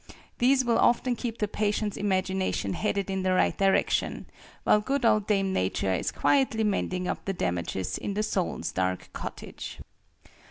These will often keep the patient's imagination headed in the right direction, while good old Dame Nature is quietly mending up the damages in "the soul's dark cottage."